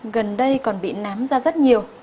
gần đây còn bị nám da rất nhiều